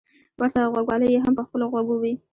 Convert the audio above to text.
ورته غوږوالۍ يې هم په خپلو غوږو وې.